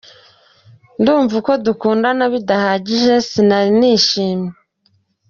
Numvaga uko dukundana bidahagije, sinari nishimye.